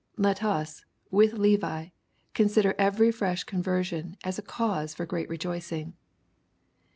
Let us, with Levi, consider every fresh conversion as a cause for great rejoicing.